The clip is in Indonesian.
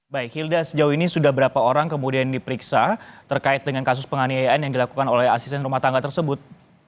baik hilda sejauh ini sudah berapa orang kemudian diperiksa terkait dengan kasus penganiayaan yang dilakukan oleh asisten rumah tangga tersebut